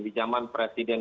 di zaman presiden